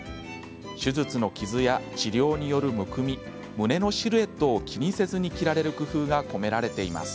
手術の傷や、治療によるむくみ胸のシルエットを気にせずに着られる工夫が込められています。